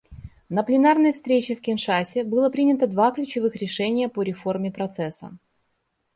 На пленарной встрече в Киншасе было принято два ключевых решения по реформе Процесса.